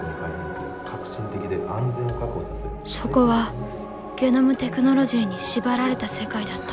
そこはゲノムテクノロジーに縛られた世界だった。